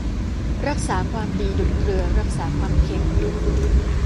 รักษาความดีดุจเกลือรักษาความเค็ม